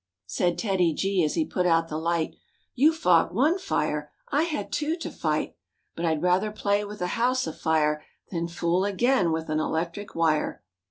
Said TEDDY—G, as he put out the light, ''You fought one fire; I had two to fight; But I'd rather play with a house afire Than fool again with an electric wire."